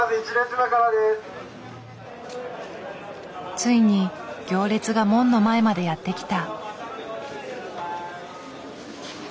ついに行列が門の前までやって来た。